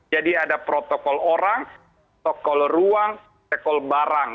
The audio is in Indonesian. jadi ada protokol orang protokol ruang protokol barang